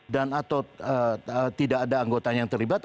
dan atau tidak ada anggotanya yang terlibat